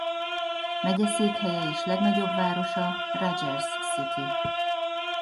Megyeszékhelye és legnagyobb városa Rogers City.